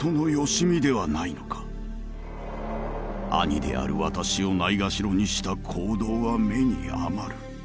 兄である私をないがしろにした行動は目に余る。